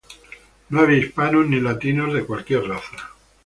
No había hispanos ni latinos de cualquier raza.